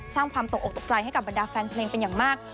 สร้างความตกออกตกใจให้กับบรรดาแฟนเพลงเป็นอย่างมาก